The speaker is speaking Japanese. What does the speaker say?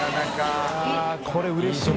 ◆舛これうれしいよ。